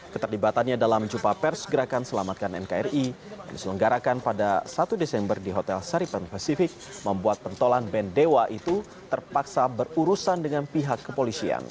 keterlibatannya dalam jumpa pers gerakan selamatkan nkri yang diselenggarakan pada satu desember di hotel saripan pacific membuat pentolan bendewa itu terpaksa berurusan dengan pihak kepolisian